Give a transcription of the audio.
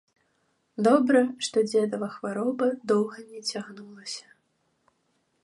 Добра, што дзедава хвароба доўга не цягнулася.